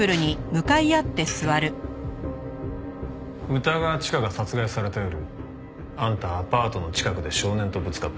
歌川チカが殺害された夜あんたはアパートの近くで少年とぶつかった。